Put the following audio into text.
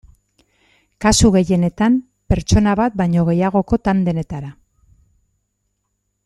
Kasu gehienetan, pertsona bat baino gehiagoko tandemetara.